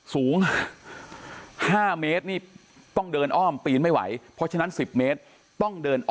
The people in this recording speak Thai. สูง๕เมตรนี่ต้องเดินอ้อมปีนไม่ไหวเพราะฉะนั้น๑๐เมตรต้องเดินอ้อ